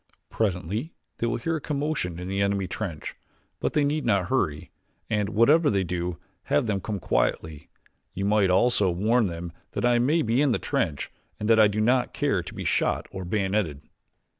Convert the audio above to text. Presently they will hear a commotion in the enemy trench; but they need not hurry, and, whatever they do, have them come quietly. You might also warn them that I may be in the trench and that I do not care to be shot or bayoneted."